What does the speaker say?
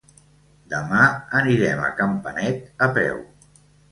Demà anirem a Campanet a peu.